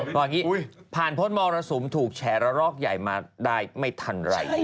พออย่างนี้ผ่านพ้นมรสุมถูกแฉระรอกใหญ่มาได้ไม่ทันไร